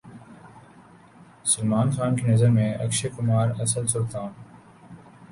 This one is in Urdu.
سلمان خان کی نظر میں اکشے کمار اصل سلطان